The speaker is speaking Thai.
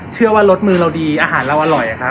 เชื่อว่ารสมือเราดีอาหารเราอร่อยครับ